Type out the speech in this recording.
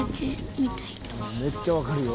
「めっちゃわかるよ」